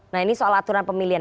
nah ini soal aturan pemilihan